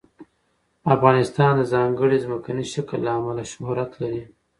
افغانستان د ځانګړي ځمکني شکل له امله شهرت لري.